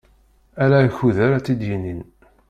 Ala akud ara t-id-yinin.